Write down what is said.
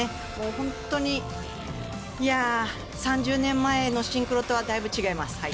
本当に３０年前のシンクロとはだいぶ違います。